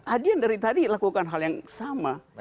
adian dari tadi lakukan hal yang sama